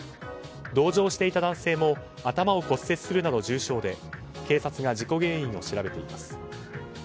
同乗していた男性も頭を骨折するなど重傷で警察が事故原因を調べています。